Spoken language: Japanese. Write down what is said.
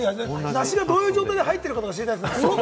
梨がどういう状態で入ってるか知りたいですね。